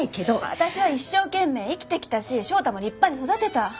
私は一生懸命生きてきたし翔太も立派に育てた。